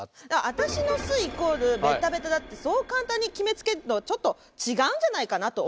私の巣イコールベタベタだってそう簡単に決めつけるのちょっと違うんじゃないかなと思います。